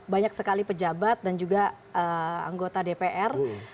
banyak sekali pejabat dan juga anggota dpr